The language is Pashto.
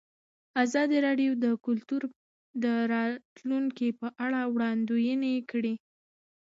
ازادي راډیو د کلتور د راتلونکې په اړه وړاندوینې کړې.